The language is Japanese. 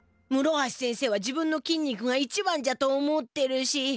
むろはし先生は自分のきん肉が一番じゃと思ってるし。